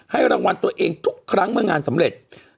รางวัลตัวเองทุกครั้งเมื่องานสำเร็จ